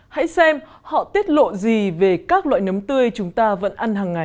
hãy xem họ tiết lộ gì về các loại nấm tươi chúng ta vẫn ăn hàng ngày